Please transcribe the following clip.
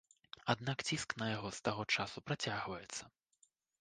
Аднак ціск на яго з таго часу працягваецца.